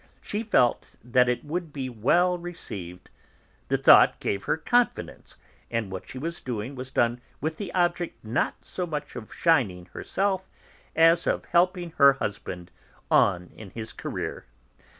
She felt that it would be well received; the thought gave her confidence, and what she was doing was done with the object not so much of shining herself, as of helping her husband on in his career.